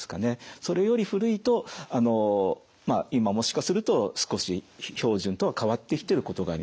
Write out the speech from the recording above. それより古いと今もしかすると少し標準とは変わってきてることがあります。